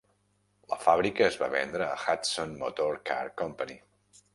La fàbrica es va vendre a Hudson Motor Car Company.